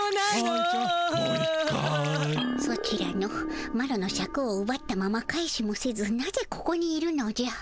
ソチらのマロのシャクをうばったまま返しもせずなぜここにいるのじゃ。